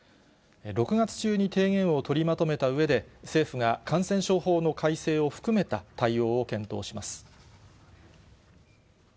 ６月中に提言を取りまとめたうえで、政府が感染症法の改正を含めた対応を検討します。